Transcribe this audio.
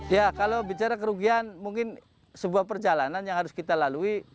ya kalau bicara kerugian mungkin sebuah perjalanan yang harus kita lalui